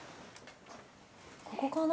ここかな？